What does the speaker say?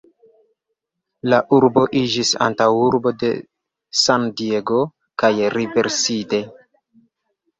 La urbo iĝis antaŭurbo de San-Diego kaj Riverside.